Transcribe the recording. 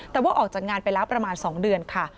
แต่ว่าออกจากงานไปแล้วประมาณ๒เดือนค่ะ